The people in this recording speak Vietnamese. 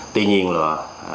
tuy nhiên là